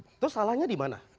terus salahnya dimana